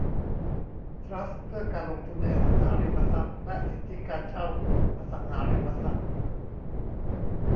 ทรัสต์เพื่อการลงทุนในอสังหาริมทรัพย์และสิทธิการเช่าอสังหาริมทรัพย์